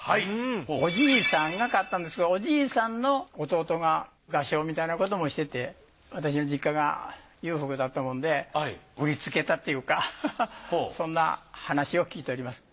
おじいさんが買ったんですけどおじいさんの弟が画商みたいなこともしてて私の実家が裕福だったもんで売りつけたというかそんな話を聞いております。